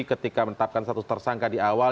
ketika menetapkan status tersangka di awal